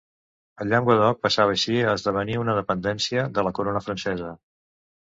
El Llenguadoc passava així a esdevenir una dependència de la corona francesa.